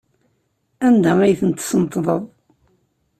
Anda ay tent-tesneṭḍeḍ?